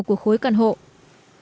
vận hành khối của khối căn hộ